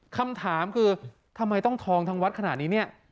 คำถามคือทำไมต้องทองทั้งวัดขนาดนี้เนี่ย